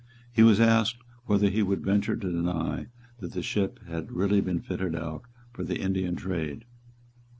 He was asked whether he would venture to deny that the ship had really been fitted out for the Indian trade.